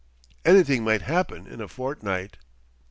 "Anything might happen in a fortnight."